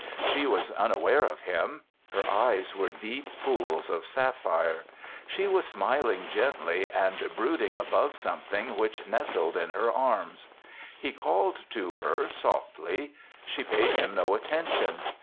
She was unaware of him. Her eyes were deep pools of sapphire. She was smiling gently and brooding above something which nestled in her arms. He called to her softly; she paid him no attention.